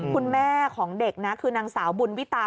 คุณแม่ของเด็กนะคือนางสาวบุญวิตา